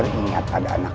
mengapa dia mengambil buka